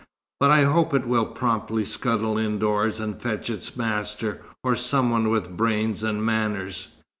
But I hope it will promptly scuttle indoors and fetch its master, or some one with brains and manners."